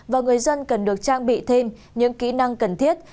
và người dân cần được trang bị thêm những kỹ năng cần thiết